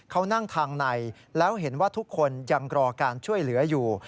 เขานั่งทางในแล้วเห็นว่าทุกคนยังรอการช่วยเหลืออยู่